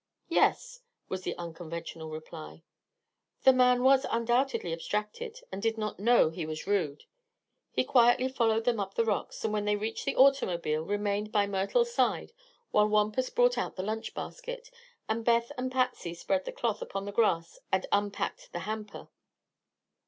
"Yes," was the unconventional reply. The man was undoubtedly abstracted and did not know he was rude. He quietly followed them up the rocks and when they reached the automobile remained by Myrtle's side while Wampus brought out the lunch basket and Beth and Patsy spread the cloth upon the grass and unpacked the hamper.